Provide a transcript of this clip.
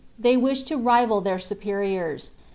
They wish to rival their superiors.